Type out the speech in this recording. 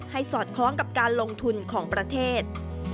สอดคล้องกับการลงทุนของประเทศ